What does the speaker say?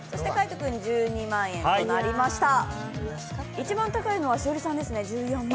一番高いのは栞里さんですね、１４万。